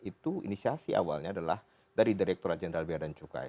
itu inisiasi awalnya adalah dari direktur general bea dan cukai